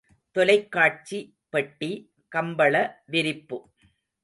தொலைக்காட்சி பெட்டி, கம்பள விரிப்பு.